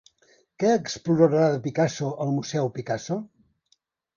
Què explorarà de Picasso el Museu Picasso?